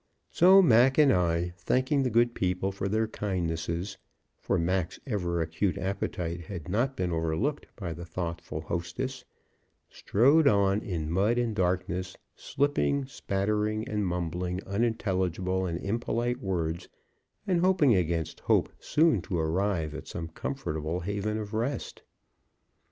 So Mac and I, thanking the good people for their kindnesses for Mac's ever acute appetite had not been overlooked by the thoughtful hostess strode on in mud and darkness, slipping, spattering, and mumbling unintelligible and impolite words, and hoping against hope soon to arrive at some comfortable haven of rest.